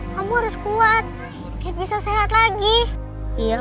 kamu ikut kasih radih dulu ya